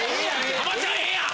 浜ちゃんええやん！